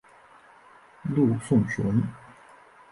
陆颂雄。